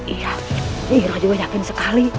iya nyi iroh juga yakin sekali